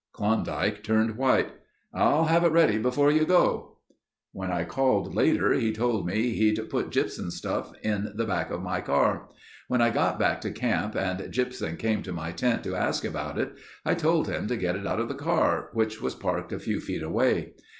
Klondike turned white. 'I'll have it ready before you go.' "When I called later, he told me he'd put Gypsum's stuff in the back of my car. When I got back to camp and Gypsum came to my tent to ask about it, I told him to get it out of the car, which was parked a few feet away.